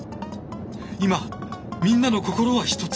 今みんなの心はひとつ！